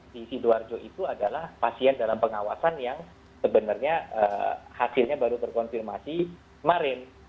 di sidoarjo itu adalah pasien dalam pengawasan yang sebenarnya hasilnya baru terkonfirmasi kemarin